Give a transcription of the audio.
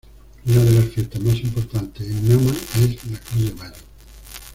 Una de las fiestas más importantes en Nama es la Cruz de Mayo.